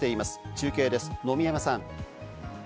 中継です、野見山さん。